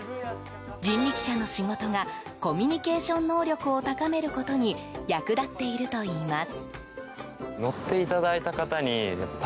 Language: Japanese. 人力車の仕事がコミュニケーション能力を高めることに役立っているといいます。